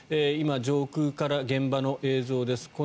今、上空から現場の映像です。